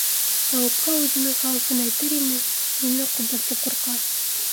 Әйүпкә үҙенең хәүефен әйтер ине - ене ҡубыр тип ҡурҡа.